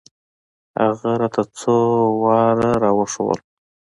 هغه راته څو اوراد راوښوول.